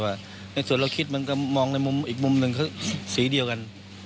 แต่นะฆ่าคิดก็มองมุมอีกมุมเดียวกัน